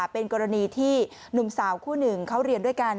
เป็นกรณีที่หนุ่มสาวคู่หนึ่งเขาเรียนด้วยกัน